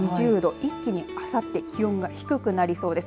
一気に、あさって気温が低くなりそうです。